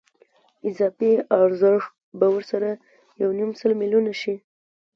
اضافي ارزښت به ورسره یو نیم سل میلیونه شي